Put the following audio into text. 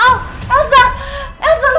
aku memang tidak berguna